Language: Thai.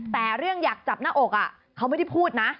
แต่เรื่องอยากจับหน้าอกเขาไม่ได้พูดนะ